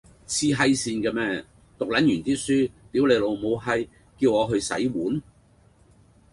癡閪線嘅咩，讀撚完啲書，屌你老母閪，叫我去洗碗